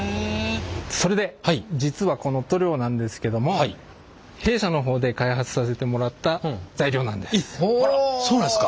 それで実はこの塗料なんですけどもえっそうなんですか！